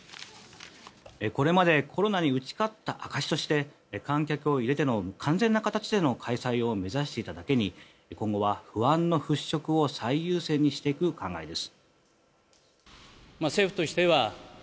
これまでコロナに打ち勝った証しとして観客を入れての完全な形での開催を目指していただけに今後は不安の払しょくを最優先にしていく考えです。